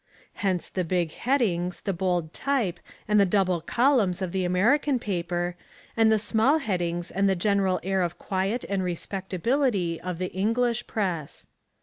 Hence the big headings, the bold type, and the double columns of the American paper, and the small headings and the general air of quiet and respectability of the English Press.